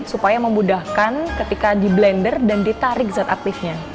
supaya memudahkan ketika di blender dan ditarik zat aktifnya